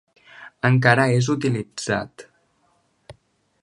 Encara és utilitzat.